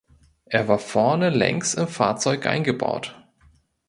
Er war vorne längs im Fahrzeug eingebaut.